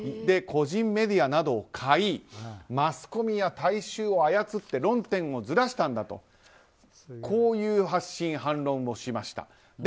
個人メディアなどを買いマスコミや大衆を操って論点をずらしたんだという発信、反論をしました。